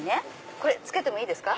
これ着けてもいいですか？